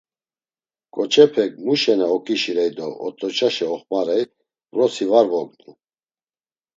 K̆oçepek mu şena oǩişirey do ot̆oçaşe oxmarey vrosi var vogni.